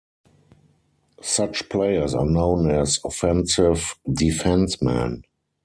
Such players are known as "offensive defencemen".